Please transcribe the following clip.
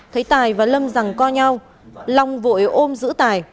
thấy tài và lâm rằng co nhau long vội ôm giữ tài